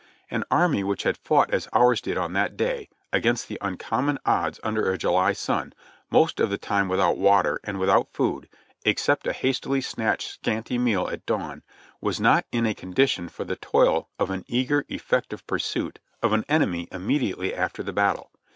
An army which had fought as ours did on that day, against the uncommon odds under a July sun, most of the time without water, and without food, except a hastily snatched scanty meal at dawn, was not in a condition for the toil of an eager, effective pursuit of an enemy immediately after the battle.